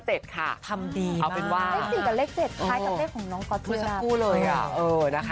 ทำดีมาก